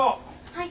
はい。